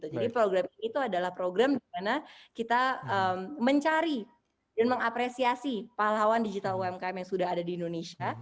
jadi program ini adalah program dimana kita mencari dan mengapresiasi pahlawan digital umkm yang sudah ada di indonesia